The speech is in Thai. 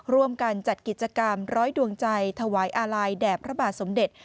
ร่วมกันจัดกิจกรรมร้อยดวงใจถวายอาลัยแด่พระบาทสมเด็จ